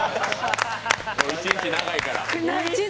一日長いから。